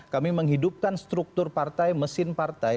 kami menghidupkan struktur partai mesin partai